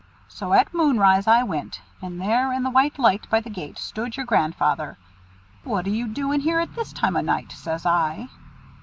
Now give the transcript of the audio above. "So at moon rise I went, and there in the white light by the gate stood your grandfather. 'What are you doing here at this time o' night?' says I.